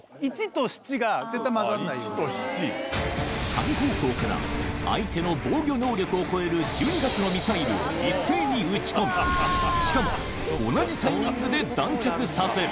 ３方向から相手の防御能力を超える１２発のミサイルを一斉に撃ち込みしかも同じタイミングで弾着させる